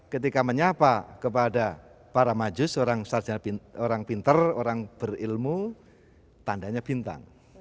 ketika menyapa kepada para maju seorang pintar orang berilmu tandanya bintang